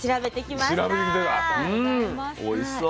うんおいしそう。